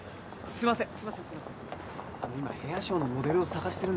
すいません。